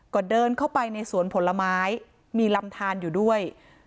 ก็เดินเข้าไปในสวนผลไม้มีลำทานอยู่ด้วย